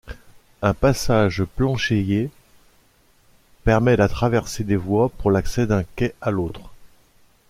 Un passage planchéié permet la traversée des voies pour l'accès d'un quai à l'autre.